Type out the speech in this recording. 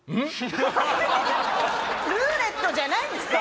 ルーレットじゃないんですか？